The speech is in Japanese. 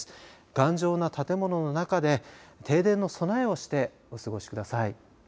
頑丈な建物の中で停電の備えをしてお過ごしください。